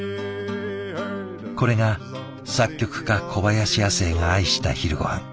これが作曲家小林亜星が愛した昼ごはん。